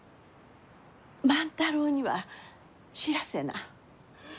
万太郎には知らせな。